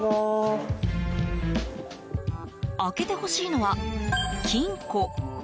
開けてほしいのは、金庫。